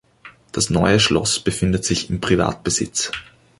Das Neue Schloss befindet sich in Privatbesitz.